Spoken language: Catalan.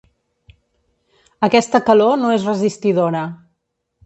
Aquesta calor no és resistidora.